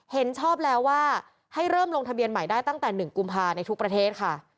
เห็นชอบแล้วว่าให้เริ่มลงทะเบียนใหม่ได้ตั้งแต่๑กุมภาในทุกประเทศค่ะ